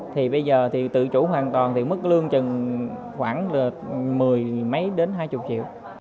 thì bây giờ thì tự chủ hoàn toàn thì mức lương chừng khoảng là mười mấy đến hai mươi triệu